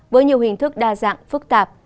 với nhiều hình thức đa dạng phức tạp